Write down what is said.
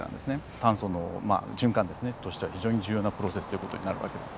炭素の循環ですねとしては非常に重要なプロセスという事になる訳です。